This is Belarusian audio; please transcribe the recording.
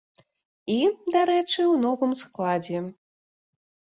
І, дарэчы, у новым складзе.